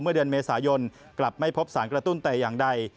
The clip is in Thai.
เดือนเมษายนกลับไม่พบสารกระตุ้นแต่อย่างใด